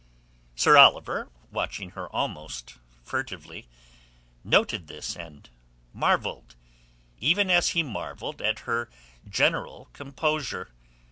Sir Oliver, watching her almost furtively, noted this and marvelled, even as he marvelled at her general composure.